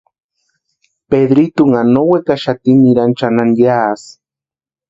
Pedritunha no wekaxati nirani chʼanani yásï.